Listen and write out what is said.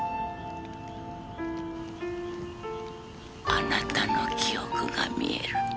あなたの記憶が見える。